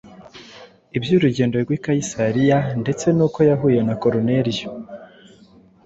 iby’urugendo rw’i Kayisariya ndetse n’uko yahuye na Koruneliyo.